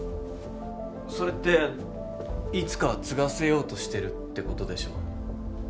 それっていつかは継がせようとしてるってことでしょ？